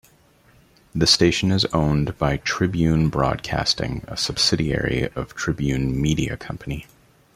The station is owned by Tribune Broadcasting, a subsidiary of Tribune Media Company.